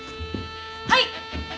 はい！